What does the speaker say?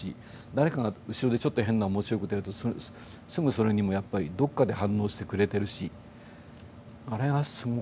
誰かが後ろでちょっと変な面白いことやるとすぐそれにもやっぱりどこかで反応してくれてるしあれはすごかったです。